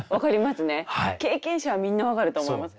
経験者はみんな分かると思います。